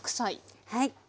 はい。